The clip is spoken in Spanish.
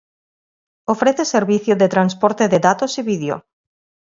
Ofrece servicio de transporte de datos y video.